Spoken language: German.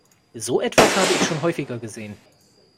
So etwas habe ich schon häufiger gesehen.